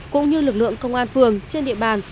cũng như lực lượng công an phường trên địa bàn